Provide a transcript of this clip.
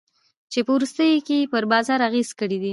چي په وروستیو کي ئې پر بازار اغېز کړی دی.